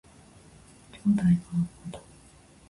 兄弟が会うこと。